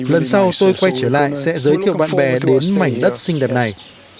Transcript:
lần sau tôi quay trở lại sẽ giới thiệu bạn bè đến mảnh đất xinh đẹp này